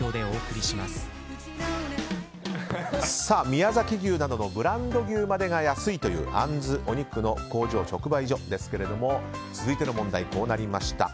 宮崎牛などのブランド牛などが安いというあんずお肉の工場直売所ですが続いての問題、こうなりました。